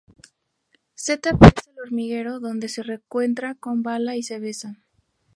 Z regresa al hormiguero donde se reencuentra con Bala y se besan.